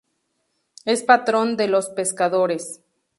Es patrón de los pescadores.